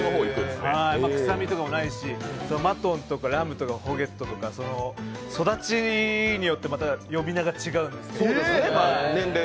臭みとかもないし、マトンとかラムとかホゲットとか育ちによって呼び名が違うんですね。